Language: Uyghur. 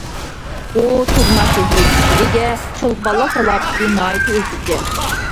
ئۇ تۇغما سېھرىي كۈچكە ئىگە، چولپانلىق سالاپىتى ناھايىتى ئۆزگىچە.